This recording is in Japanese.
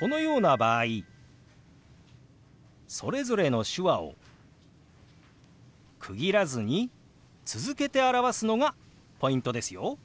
このような場合それぞれの手話を区切らずに続けて表すのがポイントですよ。